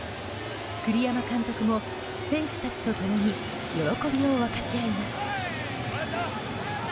栗山監督も選手たちと共に喜びを分かち合います。